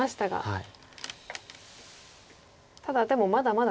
はい。